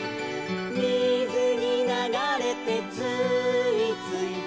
「みずにながれてつーいつい」